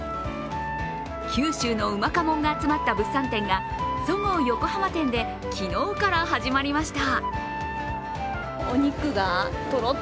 九州のうまかもんが集まった物産展がそごう横浜店で昨日から始まりました。